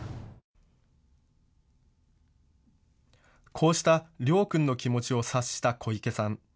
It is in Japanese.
こうしたりょう君の気持ちを察した小池さん。